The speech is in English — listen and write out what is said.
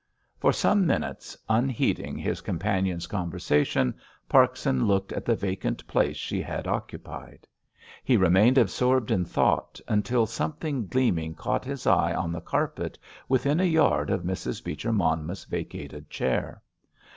For some minutes, unheeding his companions' conversation, Parkson looked at the vacant place she had occupied. He remained absorbed in thought until something gleaming caught his eye on the carpet, within a yard of Mrs. Beecher Monmouth's vacated chair.